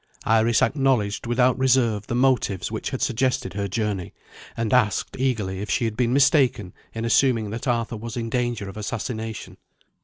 Iris acknowledged without reserve the motives which had suggested her journey, and asked eagerly if she had been mistaken in assuming that Arthur was in danger of assassination.